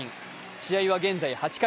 試合は現在８回。